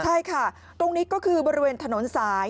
ใช่ค่ะตรงนี้ก็คือบริเวณถนนสาย